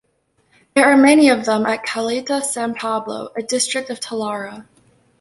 There are many of them at Caleta's San Pablo, a district of Talara.